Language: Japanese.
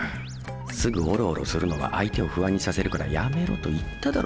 すぐオロオロするのは相手を不安にさせるからやめろと言っただろう。